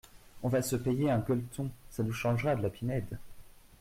On va se payer un gueuleton, ça nous changera de la Pinède.